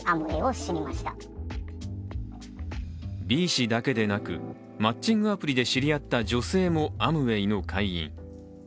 Ｂ氏だけではなく、マッチングアプリで知り合った女性もアムウェイの会員。